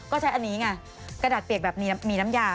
ก็ใช้อันนี้ไงกระดาษเปียกแบบนี้มีน้ำยา